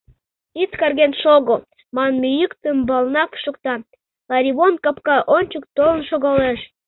— Ит карген шого! — манме йӱк тембалнак шокта, Ларивон капка ончык толын шогалеш.